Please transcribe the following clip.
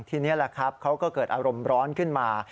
ทีนี้แหละครับเขาก็เกิดอารมณ์ร้อนขึ้นมา